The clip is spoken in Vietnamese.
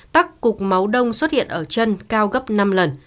tắc cục máu đông xuất hiện ở chân cao gấp năm lần